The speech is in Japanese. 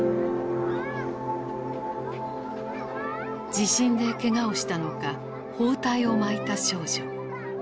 地震でけがをしたのか包帯を巻いた少女。